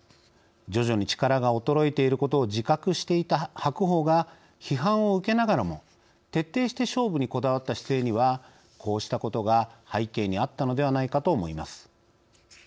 徐々に力が衰えていることを自覚していた白鵬が批判を受けながらも徹底して勝負にこだわった姿勢にはこうしたことが背景にあったのではないかと思います。